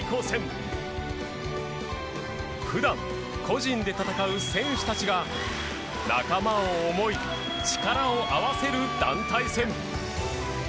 普段個人で戦う選手たちが仲間を思い力を合わせる団体戦。